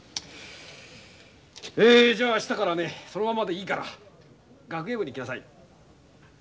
えじゃあ明日からねそのままでいいから学芸部に来なさい。